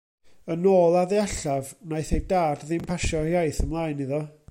Yn ôl a ddeallaf, wnaeth ei dad ddim pasio'r iaith ymlaen iddo.